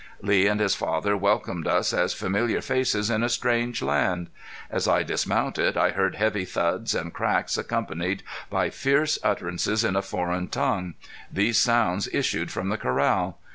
Lee and his father welcomed us as familiar faces in a strange land. As I dismounted I heard heavy thuds and cracks accompanied by fierce utterances in a foreign tongue. These sounds issued from the corral.